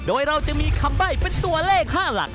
โดยเราจะมีคำใบ้เป็นตัวเลข๕หลัก